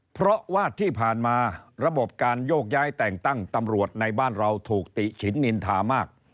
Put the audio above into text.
เพราะว่าที่ผ่านมาระบบการโยกย้ายแต่งตั้งตำรวจในบ้านเราถูกติฉินนินทามาก